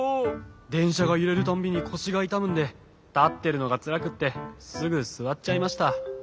でんしゃがゆれるたんびにこしがいたむんでたってるのがつらくってすぐすわっちゃいました。